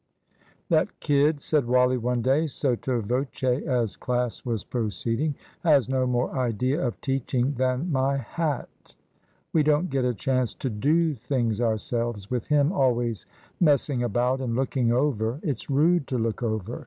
"That kid," said Wally, one day, sotto voce, as class was proceeding, "has no more idea of teaching than my hat. We don't get a chance to do things ourselves, with him always messing about and looking over. It's rude to look over.